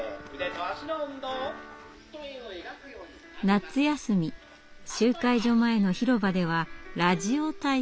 夏休み集会所前の広場ではラジオ体操。